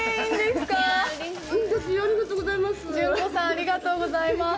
ありがとうございます。